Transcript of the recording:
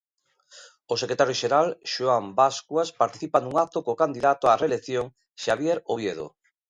O secretario xeral, Xoán Bascuas, participa nun acto co candidato á reelección, Xabier Oviedo.